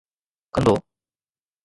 ڪندو